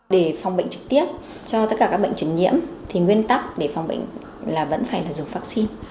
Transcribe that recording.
để phòng bệnh trực tiếp cho tất cả các bệnh truyền nhiễm thì nguyên tắc để phòng bệnh là vẫn phải là dùng vaccine